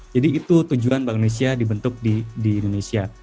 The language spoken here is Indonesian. jadi itu tujuan bank indonesia dibentuk di indonesia